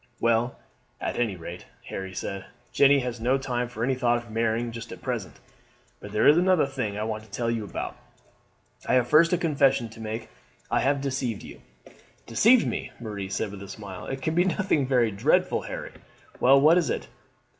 "Well, at anyrate," Harry said, "Jeanne has no time for any thought of marrying just at present. But there is another thing I want to tell you about. I have first a confession to make. I have deceived you." "Deceived me!" Marie said with a smile. "It can be nothing very dreadful, Harry. Well, what is it?"